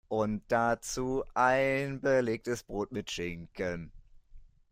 Und dazu ein belegtes Brot mit Schinken.